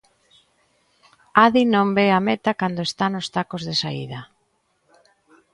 Adi non ve a meta cando está nos tacos de saída.